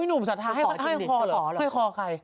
พี่หนุ่มสะท้าให้คอใคร